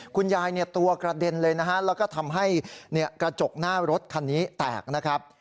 คุณยายตัวกระเด็นเลยนะฮะแล้วก็ทำให้กระจกหน้ารถคันนี้แตกนะครับ